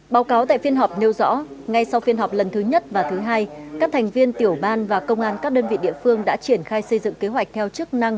báo cáo tại phiên họp nêu rõ ngay sau phiên họp lần thứ nhất và thứ hai các thành viên tiểu ban và công an các đơn vị địa phương đã triển khai xây dựng kế hoạch theo chức năng